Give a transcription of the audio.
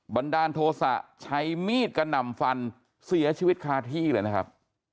บันดาลโทษะใช้มีดกระหน่ำฟันเสียชีวิตคาที่เลยนะครับ